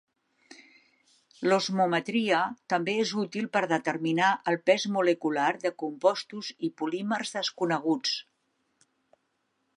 L'osmometria també és útil per determinar el pes molecular de compostos i polímers desconeguts.